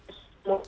ini kan menimbulkan